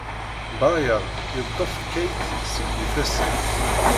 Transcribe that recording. Brian yeḍḍef Kate seg yifassen.